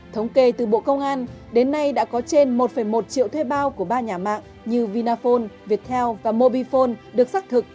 thống kê từ bộ công an đến nay đã có trên một một triệu thuê bao của ba nhà mạng như vinaphone viettel và mobifone được xác thực